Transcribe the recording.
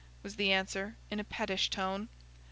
was the answer, in a pettish tone.